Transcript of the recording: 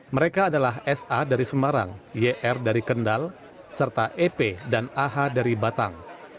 mereka adalah sa dari semarang yr dari kendal serta ep dan ah dari batang